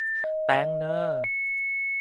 แต้งเน้อ